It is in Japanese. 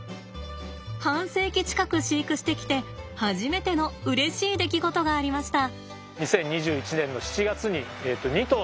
半世紀近く飼育してきて初めてのうれしい出来事がありました。